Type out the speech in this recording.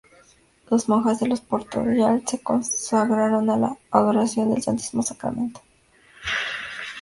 Las monjas de los dos Port-Royal se consagraron a la adoración del Santísimo Sacramento.